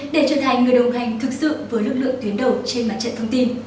để trở thành người đồng hành thực sự với lực lượng tuyến đầu trên mặt trận thông tin